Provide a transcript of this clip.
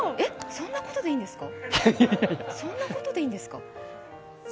そんなことでいいんですか。